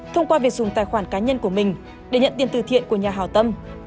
thông qua việc dùng tài khoản cá nhân của mình để nhận tiền từ thiện của nhà hào tâm